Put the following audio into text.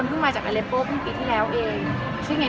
คุณสมัสกัดหัวนึกคือว่า